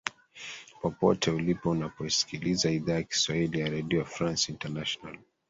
popote ulipo unapoisikiliza idhaa ya kiswahili ya redio france international